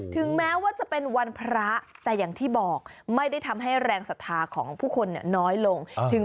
ถึงแม้ว่าจะเป็นวันพระแต่อย่างที่บอกไม่ได้ทำให้แรงศรัทธาของผู้คนน้อยลง